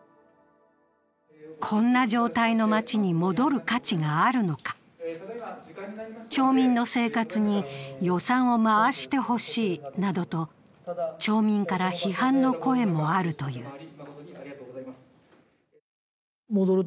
こんな状態の町に戻る価値があるのか、町民の生活に予算を回してほしいなどと町民から批判の声もあるという。